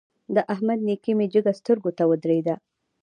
د احمد نېکي مې جګه سترګو ته ودرېده.